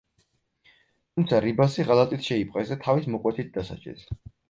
თუმცა რიბასი ღალატით შეიპყრეს და თავის მოკვეთით დასაჯეს.